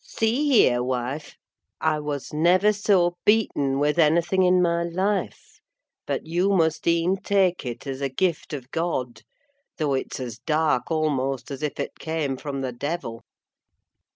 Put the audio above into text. "See here, wife! I was never so beaten with anything in my life: but you must e'en take it as a gift of God; though it's as dark almost as if it came from the devil."